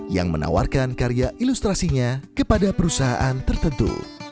yang menawarkan karya ilustrasinya kepada perusahaan tertentu